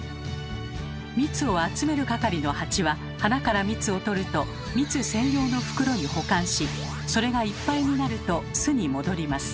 蜜を集める係のハチは花から蜜を採ると蜜専用の袋に保管しそれがいっぱいになると巣に戻ります。